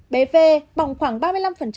bé vê bỏng khoảng ba mươi năm diện tích